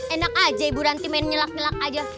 enak aja ibu ranti main nyelak nyelak aja